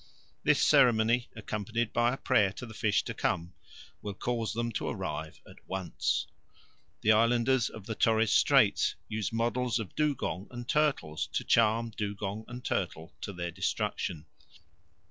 This ceremony, accompanied by a prayer to the fish to come, will cause them to arrive at once. The islanders of Torres Straits use models of dugong and turtles to charm dugong and turtle to their destruction.